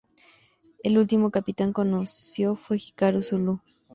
El último capitán conocido fue Hikaru Sulu.